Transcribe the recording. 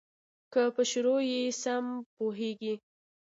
که په شروع یې سم وپوهیږې.